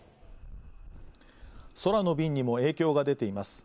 空の便にも影響が出ています。